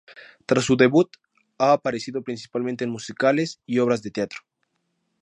Tras su debut, ha aparecido principalmente en musicales y obras de teatro.